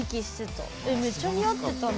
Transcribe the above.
めっちゃ似合ってたな。